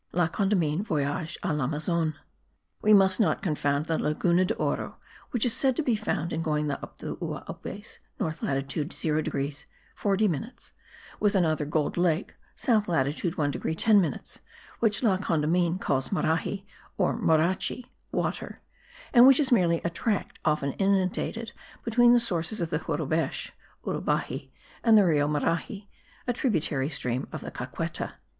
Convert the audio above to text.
La Condamine, Voyage a l'Amazone. We must not confound the Laguna de Oro, which is said to be found in going up the Uaupes (north latitude 0 degrees 40 minutes) with another gold lake (south latitude 1 degree 10 minutes) which La Condamine calls Marahi or Morachi (water), and which is merely a tract often inundated between the sources of the Jurubech (Urubaxi) and the Rio Marahi, a tributary stream of the Caqueta.)